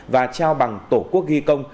và trao bằng tổ quốc ghi công